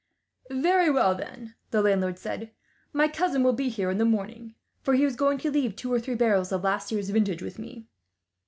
"Very well then," the landlord said; "my cousin will be here in the morning, for he is going to leave two or three barrels of last year's vintage with me.